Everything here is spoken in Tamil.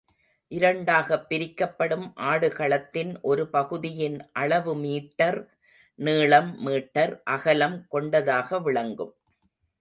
இரண்டாகப் பிரிக்கப்படும் ஆடுகளத்தின் ஒரு பகுதியின் அளவு மீட்டர் நீளம் மீட்டர் அகலம் கொண்டதாக விளங்கும்.